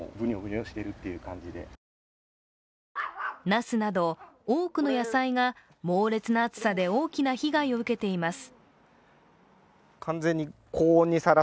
なすなど多くの野菜が猛烈な暑さで大きな被害を受けています。